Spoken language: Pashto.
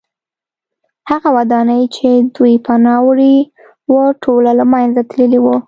هغه ودانۍ چې دوی پناه وړې وه ټوله له منځه تللې وه